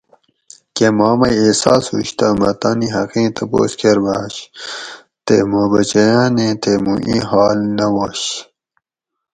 کہ ما مئی احساس ہُوش تہ مہ تانی حقیں تپوس کۤرباش تہ مہ بچہ یانیں تے مُو ای حال نہ وۤش